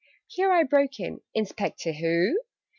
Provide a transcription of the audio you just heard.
Here I broke in "Inspector who?